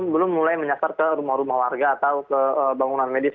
belum mulai menyasar ke rumah rumah warga atau ke bangunan medis